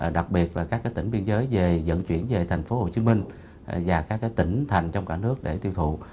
đặc biệt là các tỉnh biên giới dẫn chuyển về thành phố hồ chí minh và các tỉnh thành trong cả nước để tiêu thụ